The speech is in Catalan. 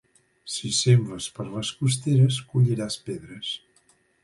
Si sembres per les costeres, colliràs pedres.